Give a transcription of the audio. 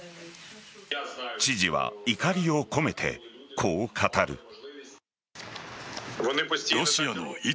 知事は怒りを込めてこう語る。